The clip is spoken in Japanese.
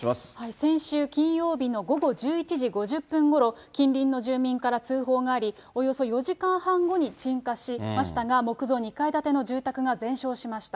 先週金曜日の午後１１時５０分ごろ、近隣の住民から通報があり、およそ４時半後に鎮火しましたが、木造２階建の住宅が全焼しました。